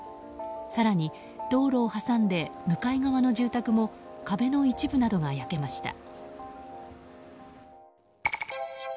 更に、道路を挟んで向かい側の住宅も壁の一部などが焼けました。